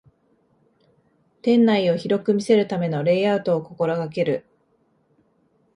店内を広く見せるためのレイアウトを心がける